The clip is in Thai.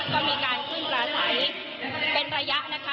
ก็มีการขึ้นปลาใสเป็นระยะนะคะ